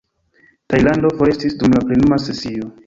Tajlando forestis dum la plenuma sesio.